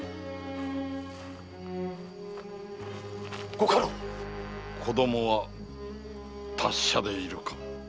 ご家老⁉子供は達者でいるか。